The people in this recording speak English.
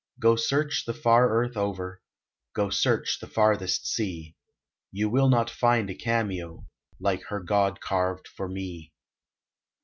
Go search the far Earth over, Go search the farthest sea, You will not find a cameo Like her God carved for me.